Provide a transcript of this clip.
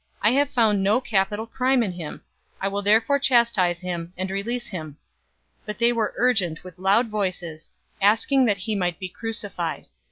I have found no capital crime in him. I will therefore chastise him and release him." 023:023 But they were urgent with loud voices, asking that he might be crucified.